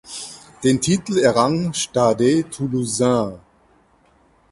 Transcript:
Den Titel errang Stade Toulousain.